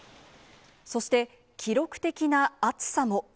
そして、記録的な暑さも。